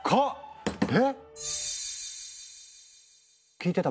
⁉聞いてた？